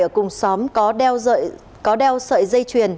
ở cùng xóm có đeo sợi dây chuyền